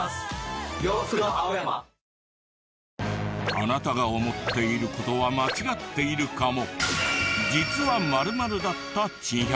あなたが思っている事は間違っているかも。